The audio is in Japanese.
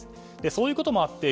そういうこともあって